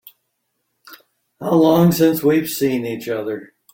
How long since we've seen each other?